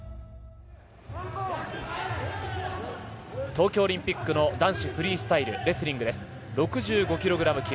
東京オリンピックの男子フリースタイルレスリングです、６５ｋｇ級。